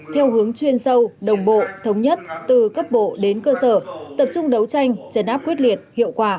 theo hướng chuyên sâu đồng bộ thống nhất từ cấp bộ đến cơ sở tập trung đấu tranh chấn áp quyết liệt hiệu quả